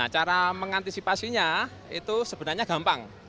cara mengantisipasinya itu sebenarnya gampang